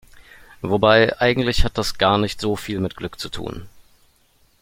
Wobei, eigentlich hat das gar nicht so viel mit Glück zu tun.